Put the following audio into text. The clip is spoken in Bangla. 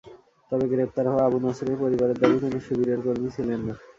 তবে গ্রেপ্তার হওয়া আবু নছরের পরিবারের দাবি, তিনি শিবিরের কর্মী ছিলেন না।